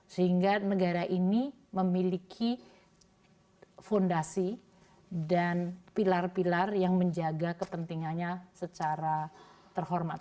sehingga negara ini memiliki fondasi dan pilar pilar yang menjaga kepentingannya secara terhormat